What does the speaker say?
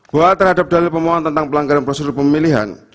bahwa terhadap dalil pemohon tentang pelanggaran prosedur pemilihan